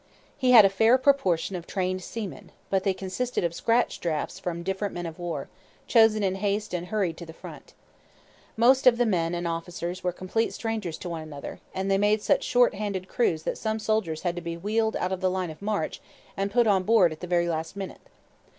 He had a fair proportion of trained seamen; but they consisted of scratch drafts from different men of war, chosen in haste and hurried to the front. Most of the men and officers were complete strangers to one another; and they made such short handed crews that some soldiers had to be wheeled out of the line of march and put on board at the very last minute.